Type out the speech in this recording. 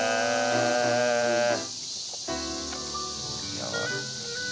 やばい。